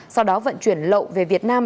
sau đó vận chuyển lậu về việt nam